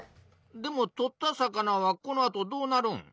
でも取った魚はこのあとどうなるん？